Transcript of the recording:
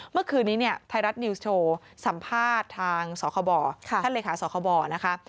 เมื่อคืนนี้ไทยรัฐนิวส์โชว์สัมภาษณ์ทางท่านเหลศาสตร์คบนะคะ